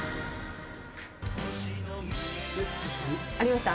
ありました？